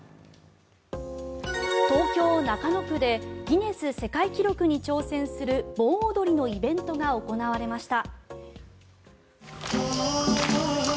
東京・中野区でギネス世界記録に挑戦する盆踊りのイベントが行われました。